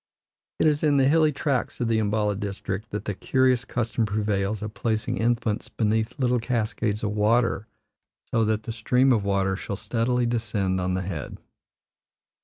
It is in the hilly tracts of the Umballa district that the curious custom prevails of placing infants beneath little cascades of water so that the stream of water shall steadily descend on the head.